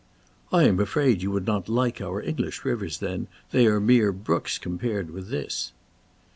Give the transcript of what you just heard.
"I am afraid you would not like our English rivers then; they are mere brooks compared with this."